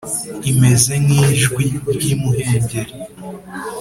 imeze nk’ijwi ry’imuhengeri.